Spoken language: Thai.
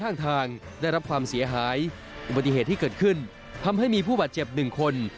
อุปัติเหตุที่เกิดขึ้นทำให้มีผู้บาดเจ็บหนึ่งคน